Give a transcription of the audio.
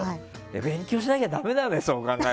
勉強しなきゃだめだよね。